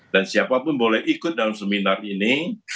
dan siapa pun boleh ikut dalam seminar ini